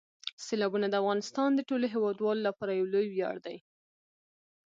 سیلابونه د افغانستان د ټولو هیوادوالو لپاره یو لوی ویاړ دی.